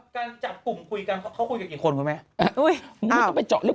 การจับกลุ่มคุยกันเขาคุยกันกี่คนคุณแม่ต้องไปเจาะเรื่อง